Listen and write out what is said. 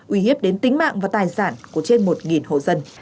uy hiếp đến tính mạng và tài sản của trên một hộ dân